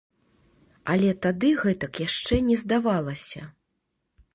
Але тады гэтак яшчэ не здавалася.